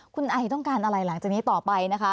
คุณไอต้องการอะไรหลังจากนี้ต่อไปนะคะ